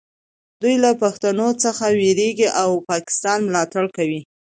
دوی له پښتنو څخه ویریږي او پاکستان ملاتړ کوي